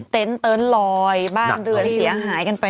เต้นลอยบ้างเหลือเสียหายกันบ้าง